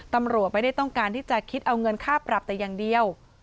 ตำรวจไม่ได้ต้องการที่จะคิดเอาเงินค่าปรับแต่อย่างเดียว